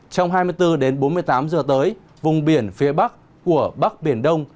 trong hai mươi bốn bốn mươi tám h tới vùng biển phía bắc của bắc biển đông